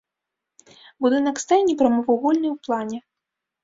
Будынак стайні прамавугольны ў плане.